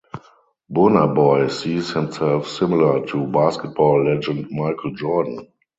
Burna Boy sees himself similar to Basketball legend Michael Jordan.